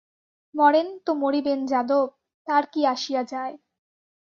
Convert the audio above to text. মরেন, তো মরিবেন যাদব, তার কী আসিয়া যায়?